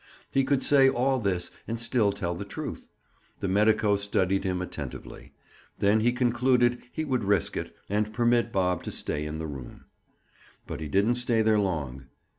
He could say all this and still tell the truth. The medico studied him attentively; then he concluded he would risk it and permit Bob to stay in the room. But he didn't stay there long.